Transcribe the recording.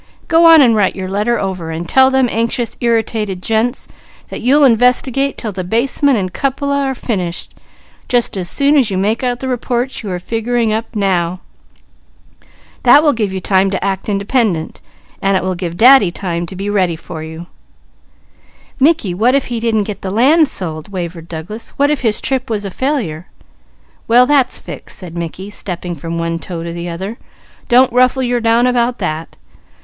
_ Go on and write your letter over, and tell them anxious, irritated gents, that you'll investigate 'til the basement and cupola are finished, just as soon as you make out the reports you are figuring up now. That will give you time to act independent, and it will give Daddy time to be ready for you " "Mickey, what if he didn't get the land sold?" wavered Douglas. "What if his trip was a failure?" "Well that's fixed," said Mickey, stepping from one toe to the other. "Don't ruffle your down about that.